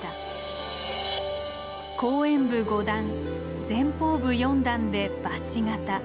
後円部５段前方部４段でバチ形。